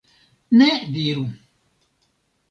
Ne diru!